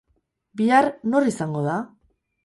Bihar, nor izango da?